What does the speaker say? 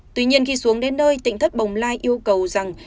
tuy nhiên khi xuống đến nơi tỉnh thất bồng lai yêu cầu rằng